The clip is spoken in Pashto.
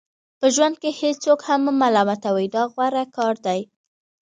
په ژوند کې هیڅوک هم مه ملامتوئ دا غوره کار دی.